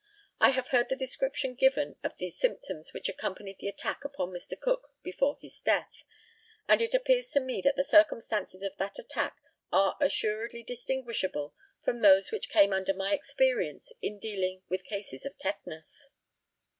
I have heard the description given of the symptoms which accompanied the attack upon Mr. Cook before his death, and it appears to me that the circumstances of that attack are assuredly distinguishable from those which came under my experience in dealing with cases of tetanus.